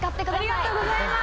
ありがとうございます。